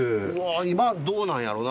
今どうなんやろな？